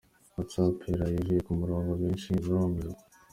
WhatsApp yaraye ivuye ku murongo benshi barumirwa.